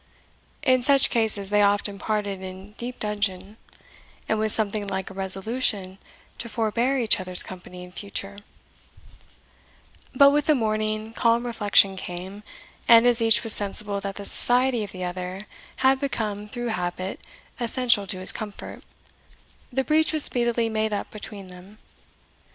In such cases they often parted in deep dudgeon, and with something like a resolution to forbear each other's company in future: But with the morning calm reflection came; and as each was sensible that the society of the other had become, through habit, essential to his comfort, the breach was speedily made up between them.